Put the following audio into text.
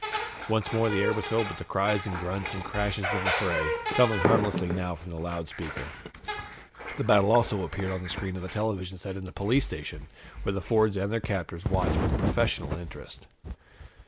Once more the air was filled with the cries and grunts and crashes of the fray, coming harmlessly now from the loudspeaker. The battle also appeared on the screen of the television set in the police station, where the Fords and their captors watched with professional interest.